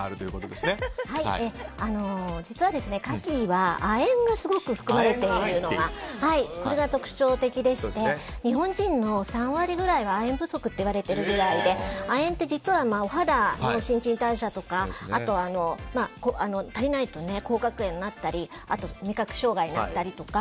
実は、カキは亜鉛がすごく含まれていてこれが特徴的でして日本人の３割ぐらいは亜鉛不足っていわれてるぐらいで亜鉛ってお肌の新陳代謝とか足りないと口角炎になったりあと味覚障害になったりとか